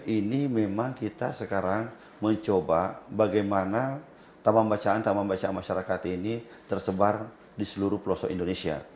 ini memang kita sekarang mencoba bagaimana taman bacaan taman bacaan masyarakat ini tersebar di seluruh pelosok indonesia